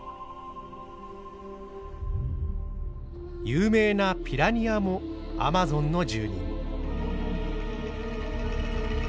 有名なピラニアもアマゾンの住人。